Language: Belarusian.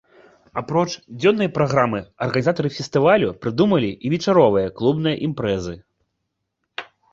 Апроч дзённай праграмы, арганізатары фестывалю прыдумалі і вечаровыя клубныя імпрэзы.